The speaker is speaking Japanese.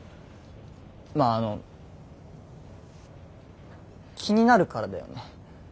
まああの気になるからだよね。